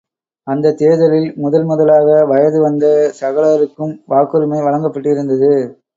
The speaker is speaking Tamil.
அந்தத் தேர்தலில் முதல் முதலாக வயது வந்த சகலருக்கும் வாக்குரிமை வழங்கப்பட்டிருந்தது.